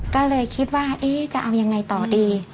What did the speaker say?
ก็เลยคิดว่าจะเอายังไงต่อดี